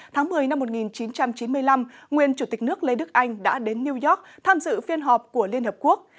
tháng một mươi năm một nghìn chín trăm chín mươi năm nguyên chủ tịch nước lê đức anh đã đến new york tham dự phiên họp của liên hợp quốc